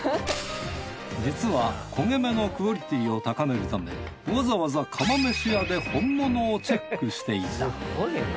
実は焦げ目のクオリティーを高めるためわざわざ釜飯屋で本物をチェックしていた。